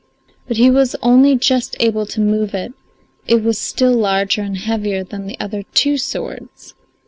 But he was only just able to move it; it was still larger and heavier than the other two swords.